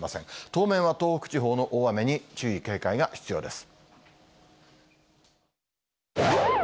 当面は東北地方の大雨に注意、警戒が必要です。